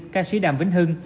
ca sĩ đàm vĩnh hưng